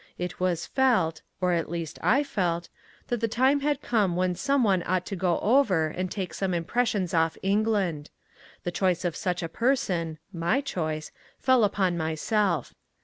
It was felt (or at least I felt) that the time had come when some one ought to go over and take some impressions off England. The choice of such a person (my choice) fell upon myself.